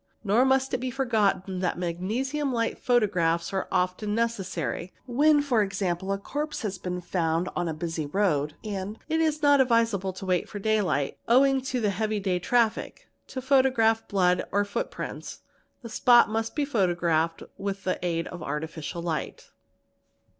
| Nor must it be forgotten that magnesium light photographs are often necessary. When, e.g., a corpse has been found on a busy road and it is — not advisable to wait for day lght (owing to the heavy day traffic) to photograph blood or footprints, the spot must be photographed with the — aid of artificial light.